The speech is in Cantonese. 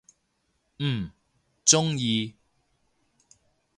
嗯，中意！